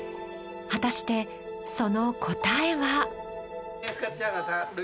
果たしてその答えは？